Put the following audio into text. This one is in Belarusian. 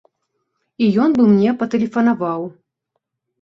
І ён бы мне патэлефанаваў.